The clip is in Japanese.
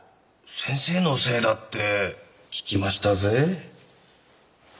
先生のせいだって聞きましたぜ。